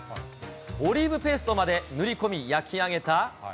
オリーブペーストまで塗り込み、焼き上げた。